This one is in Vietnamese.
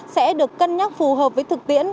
sẽ được cân nhắc phù hợp với thực tiễn